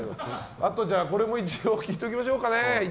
あとは、これも一応聞いておきましょうかね。